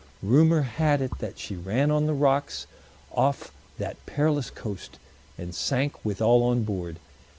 Rumor had it that she ran on the rocks off that perilous coast, and sank with all on board.